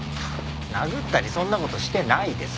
殴ったりそんな事してないです。